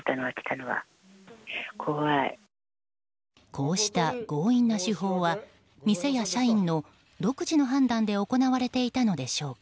こうした強引な手法は店や社員の独自の判断で行われていたのでしょうか。